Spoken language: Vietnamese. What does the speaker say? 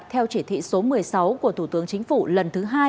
theo chỉ thị số một mươi sáu của thủ tướng chính phủ lần thứ hai